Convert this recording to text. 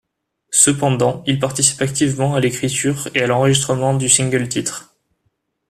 Cependant, il participe activement à l'écriture et à l'enregistrement du single-titre '.